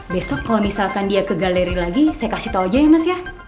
besok kalau misalkan dia ke galeri lagi saya kasih tau aja ya mas ya